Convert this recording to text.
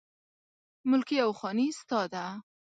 ملکي او خاني ستا ده